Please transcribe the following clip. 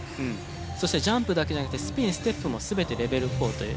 そしてジャンプだけじゃなくてスピンステップも全てレベル４という。